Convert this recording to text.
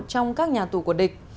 trong các nhà tù của địch